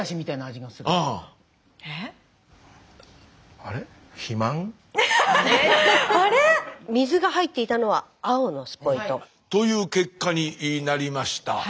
あれ⁉水が入っていたのは青のスポイト。という結果になりました。